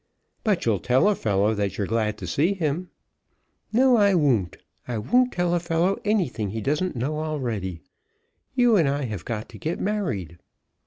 "But you'll tell a fellow that you're glad to see him?" "No, I won't. I won't tell a fellow anything he doesn't know already. You and I have got to get married."